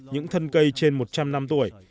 những thân cây trên một trăm linh năm tuổi